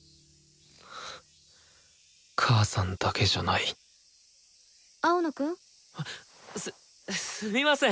母さんだけじゃない青野くん。すっすみません！